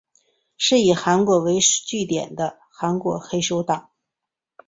是以韩国为据点的韩国黑手党。